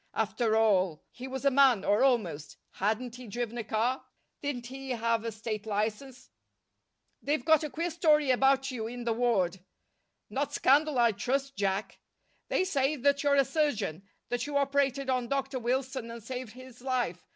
After all, he was a man, or almost. Hadn't he driven a car? Didn't he have a state license? "They've got a queer story about you here in the ward." "Not scandal, I trust, Jack!" "They say that you're a surgeon; that you operated on Dr. Wilson and saved his life.